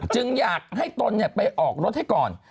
จึงอยากให้ตนไปออกรถให้ก่อน